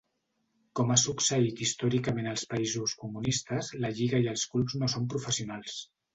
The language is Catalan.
Com ha succeït històricament als països comunistes la lliga i els clubs no són professionals.